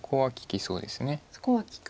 そこは利く。